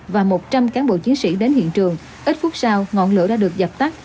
và một trăm linh cán bộ chiến sĩ đến hiện trường ít phút sau ngọn lửa đã được dập tắt